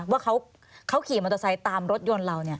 ว่าเขาขี่มอเตอร์ไซค์ตามรถยนต์เรา